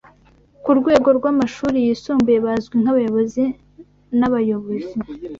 ku rwego rw’amashuri yisumbuye bazwi nkabayobozi n’abayobozi